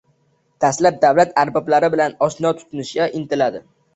Dastlab davlat arboblari bilan oshno tutinishga intiladi